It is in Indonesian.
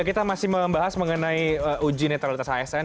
kita masih membahas mengenai uji netralitas asn